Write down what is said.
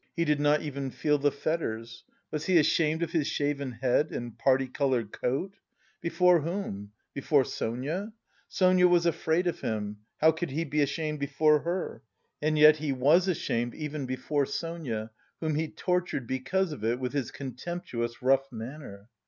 He did not even feel the fetters. Was he ashamed of his shaven head and parti coloured coat? Before whom? Before Sonia? Sonia was afraid of him, how could he be ashamed before her? And yet he was ashamed even before Sonia, whom he tortured because of it with his contemptuous rough manner.